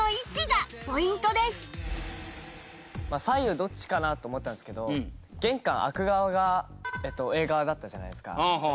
左右どっちかなと思ったんですけど玄関開く側がＡ側だったじゃないですか。